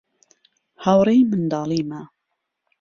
هاوڕێی منداڵیمە.